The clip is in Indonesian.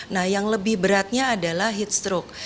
nah yang lebih beratnya adalah heat stroke